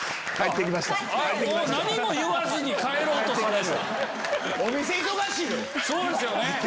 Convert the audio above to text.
何も言わずに帰ろうとされる。